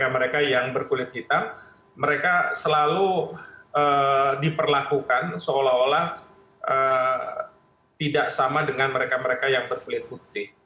karena mereka yang berkulit hitam mereka selalu diperlakukan seolah olah tidak sama dengan mereka mereka yang berkulit putih